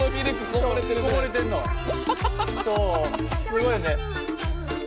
すごいよね。